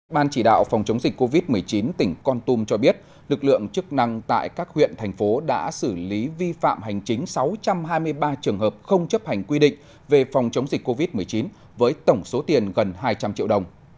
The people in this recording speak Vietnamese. ban chỉ đạo phòng chống dịch covid một mươi chín tỉnh con tum cho biết lực lượng chức năng tại các huyện thành phố đã xử lý vi phạm hành chính sáu trăm hai mươi ba trường hợp không chấp hành quy định về phòng chống dịch covid một mươi chín với tổng số tiền gần hai trăm linh triệu đồng